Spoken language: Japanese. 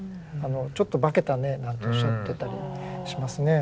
「ちょっと化けたね」なんておっしゃってたりもしますね。